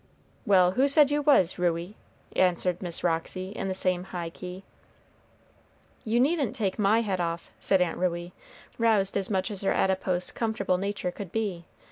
"Well, who said you was, Ruey?" answered Miss Roxy, in the same high key. "You needn't take my head off," said Aunt Ruey, roused as much as her adipose, comfortable nature could be.